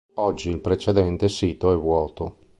Oggi, il precedente sito è vuoto.